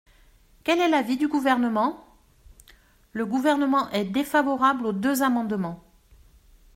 Quel est l’avis du Gouvernement ? Le Gouvernement est défavorable aux deux amendements.